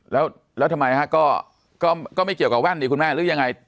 แล้วทำไมฮะก็ไม่เกี่ยวกับแว่นดีคุณแม่หรือยังไง